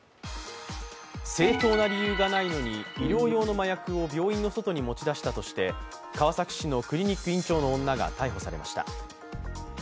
正当な理由がないのに医療用の麻薬を病院の外に持ち出したとして川崎市のクリニック院長の女が逮捕されました。